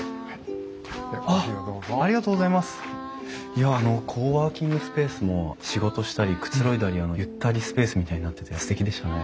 いやあのコワーキングスペースも仕事したりくつろいだりゆったりスペースみたいになっててすてきでしたね。